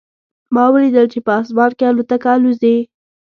ما ولیدل چې په اسمان کې الوتکه الوزي